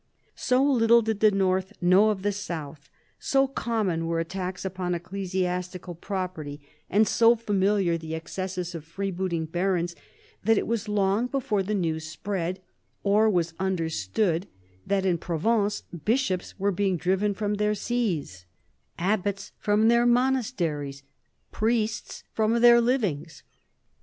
So little did the north know of the south, so common were attacks upon ecclesiastical property, and so familiar vi PHILIP AND THE PAPACY 187 the excesses of freebooting barons, that it was long before the news spread, or was understood, that in Provence bishops were being driven from their sees, abbats from their monasteries, priests from their livings.